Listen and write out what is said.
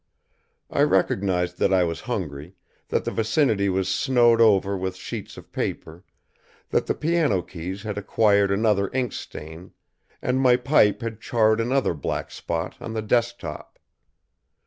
I recognized that I was hungry, that the vicinity was snowed over with sheets of paper, that the piano keys had acquired another inkstain, and my pipe had charred another black spot on the desk top.